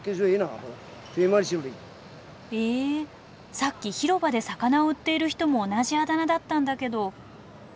さっき広場で魚を売っている人も同じあだ名だったんだけど？